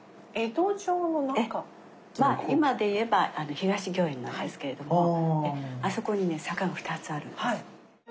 まあ今でいえば東御苑なんですけれどもあそこにね坂が２つあるんです。